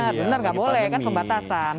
iya benar nggak boleh kan kebatasan